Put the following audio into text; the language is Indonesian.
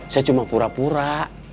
saya cuma pura pura